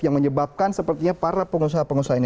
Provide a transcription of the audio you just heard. yang menyebabkan sepertinya para pengusaha pengusaha ini